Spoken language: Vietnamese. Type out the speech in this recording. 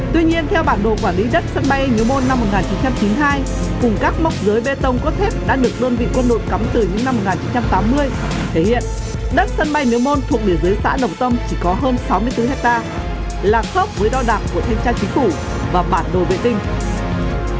tuy nhiên theo bản đồ quản lý đất sân bay miếu môn năm một nghìn chín trăm chín mươi hai cùng các mốc giới bê tông cốt thép đã được đơn vị quân đội cắm từ những năm một nghìn chín trăm tám mươi thể hiện đất sân bay miếu môn thuộc địa dưới xã đồng tâm chỉ có hơn sáu mươi bốn hectare là khớp với đo đạc của thanh tra chính phủ và bản đồ vệ tinh